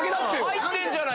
入ってんじゃない。